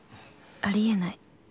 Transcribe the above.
ありえない。